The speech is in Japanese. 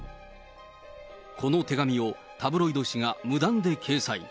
この手紙をタブロイド紙が無断で掲載。